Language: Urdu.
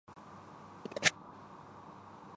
قدیم اسلام ہمیشہ جدید ہوتا ہے۔